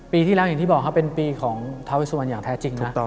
ปีที่แล้วอย่างที่บอกครับเป็นปีของท้าเวสวันอย่างแท้จริงนะ